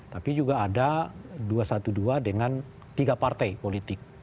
tapi juga ada dua ratus dua belas dengan tiga partai politik